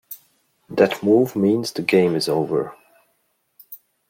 That move means the game is over.